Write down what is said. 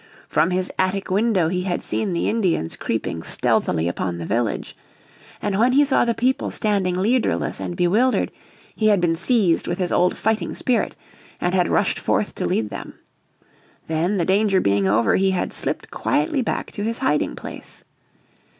From his attic window he had seen the Indians creeping stealthily upon the village. And when he saw the people standing leaderless and bewildered, he had been seized with his old fighting spirit, and had rushed forth to lead them. Then, the danger being over, he had slipped quietly back to his hiding place.